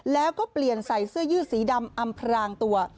แล้วก็เปลี่ยนใส่เสื้อยืดสีดำอำพรางตัว